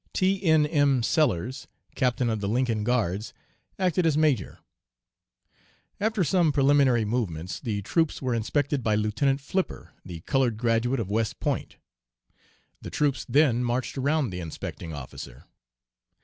T. N. M. Sellers, Captain of the Lincoln Guards, acted as major. After some preliminary movements the troops were inspected by Lieutenant Flipper, the colored graduate of West Point. The troops then marched around the inspecting officer.